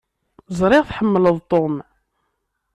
Ẓriɣ tḥemmleḍ Tom.